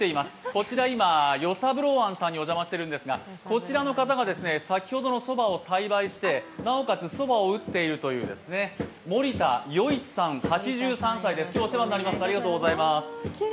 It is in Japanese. こちら、与三郎庵さんに来ていますが、先ほどのそばを栽培して、なおかつそばを打っているという森田与一さん８３歳です、今日はお世話になりますありがとうございます。